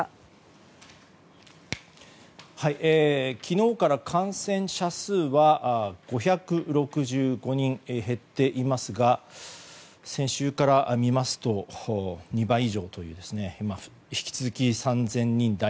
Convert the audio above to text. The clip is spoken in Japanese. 昨日から感染者数は５６５人減っていますが先週から見ますと２倍以上という引き続き３０００人台。